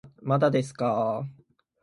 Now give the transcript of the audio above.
まだですかー